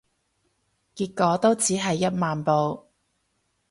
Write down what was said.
結果都只係一萬步